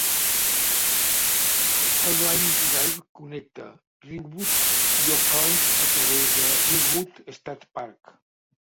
Skyline Drive connecta Ringwood i Oakland a través del Ringwood State Park.